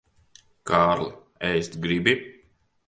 Kārli, ēst gribi?